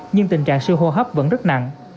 nhưng tình trạng si hô hấp vẫn rất nặng